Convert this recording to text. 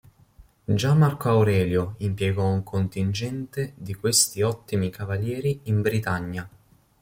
Già Marco Aurelio impiegò un contingente di questi ottimi cavalieri in Britannia.